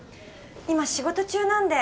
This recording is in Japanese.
今仕事中なんで。